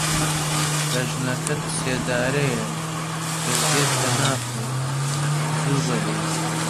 بەژنەکەت سێدارەیە، کەزیەت تەنافە زووبە دەی